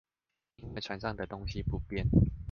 因為船上的東西不變